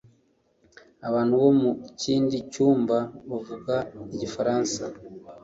Abantu bo mu kindi cyumba bavuga igifaransa